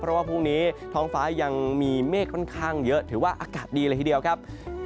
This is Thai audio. เพราะว่าพรุ่งนี้ท้องฟ้ายังมีเมฆค่อนข้างเยอะถือว่าอากาศดีเลยทีเดียวครับ